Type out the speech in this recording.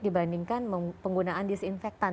dibandingkan penggunaan disinfektan